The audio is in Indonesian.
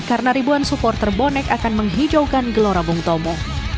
karena ribuan supporter bonek akan menghijaukan glora bung tomo